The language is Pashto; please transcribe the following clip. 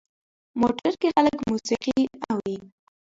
موټر کې خلک موسیقي اوري.